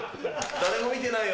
誰も見てないよ。